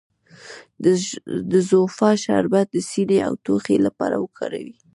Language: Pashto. د زوفا شربت د سینې او ټوخي لپاره وکاروئ